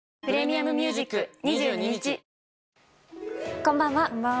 こんばんは。